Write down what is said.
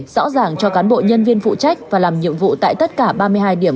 rõ ràng cho cán bộ nhân viên phụ trách và làm nhiệm vụ tại tất cả ba mươi hai điểm